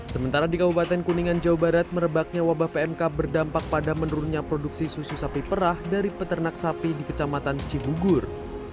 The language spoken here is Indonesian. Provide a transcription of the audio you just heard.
sementara di kabupaten kuningan jawa barat merebaknya wabah pmk berdampak pada menurunnya produksi susu sapi perah dari peternak sapi di kecamatan cibugur